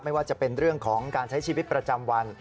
ไม่ว่าจะเป็นเรื่องของการใช้ชีวิตประจำวัน